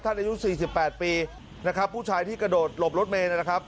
อายุ๔๘ปีนะครับผู้ชายที่กระโดดหลบรถเมย์นะครับ